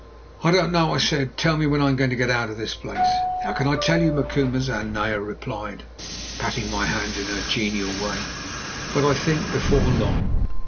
"I don't know," I said. "Tell me, when am I going to get out of this place?" "How can I tell you, Macumazahn?" Naya replied, patting my hand in her genial way, "but I think before long.